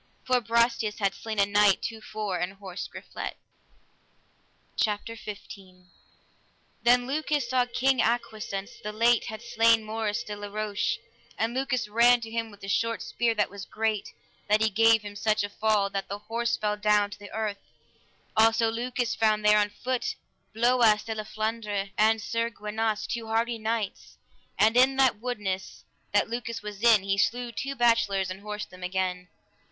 For Brastias had slain a knight to fore and horsed Griflet. CHAPTER XV. Yet of the same battle. Then Lucas saw King Agwisance, that late had slain Moris de la Roche, and Lucas ran to him with a short spear that was great, that he gave him such a fall, that the horse fell down to the earth. Also Lucas found there on foot, Bloias de La Flandres, and Sir Gwinas, two hardy knights, and in that woodness that Lucas was in, he slew two bachelors and horsed them again.